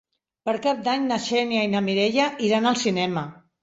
Per Cap d'Any na Xènia i na Mireia iran al cinema.